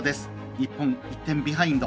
日本、１点ビハインド。